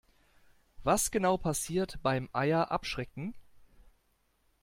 Was genau passiert beim Eier abschrecken?